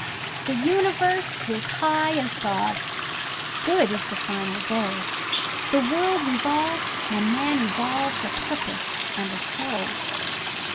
The universe is high as God! Good is the final goal; The world revolves and man evolves A purpose and a soul.